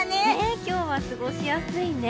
今日は過ごしやすいね。